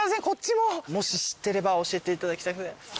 もし知ってれば教えていただきたくて。